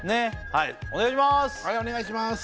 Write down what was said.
はいお願いします